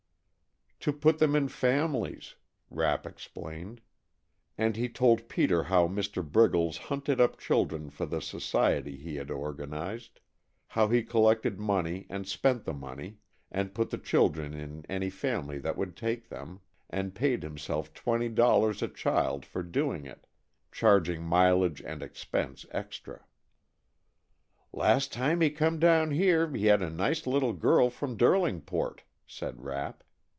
"To put them in families," Rapp explained, and he told Peter how Mr. Briggles hunted up children for the Society he had organized; how he collected money and spent the money, and put the children in any family that would take them, and paid himself twenty dollars a child for doing it, charging mileage and expense extra. "Last time he come down here he had a nice little girl from Derlingport," said Rapp.